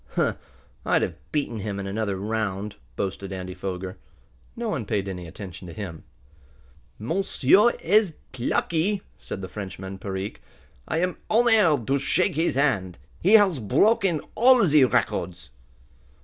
"Huh! I'd have beaten him in another round," boasted Andy Foger. No one paid any attention to him. "Monsieur ezz plucky!" said the Frenchman, Perique. "I am honaired to shake his hand! He has broken all ze records!"